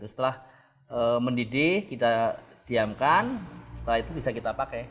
setelah mendidih kita diamkan setelah itu bisa kita pakai